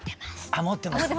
持ってます。